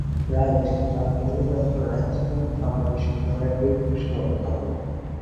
Right, John Henry doctor Wright ছিলেন Harvard বিশ্ববিদ্যালয়ের Greek ভাষার অধ্যাপক।